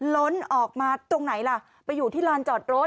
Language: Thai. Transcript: ล้นออกมาตรงไหนล่ะไปอยู่ที่ลานจอดรถ